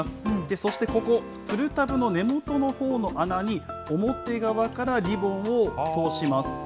そしてここ、プルタブの根元のほうの穴に、表側からリボンを通します。